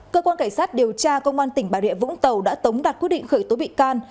cơ quan cảnh sát điều tra công an tỉnh bà rịa vũng tàu đã tống đạt quyết định khởi tố bị can